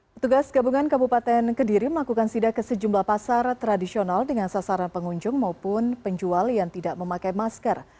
petugas gabungan kabupaten kediri melakukan sida ke sejumlah pasar tradisional dengan sasaran pengunjung maupun penjual yang tidak memakai masker